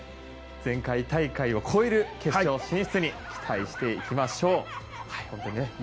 前回大会を超える決勝進出期待していきましょう。